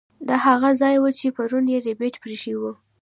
دا هغه ځای و چې پرون یې ربیټ پریښی و